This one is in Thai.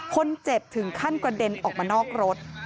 ถึงขั้นกระเด็นออกมานอกรถ